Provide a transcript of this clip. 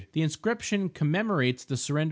The inscription commemorates the surrender of—what?